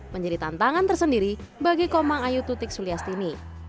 menjadi tantangan tersendiri bagi komang ayu tutik suliastini